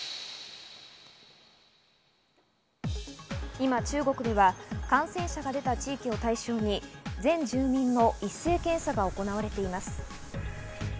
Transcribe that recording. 今、中国では感染者が出た地域を対象に全住民の一斉検査が行われています。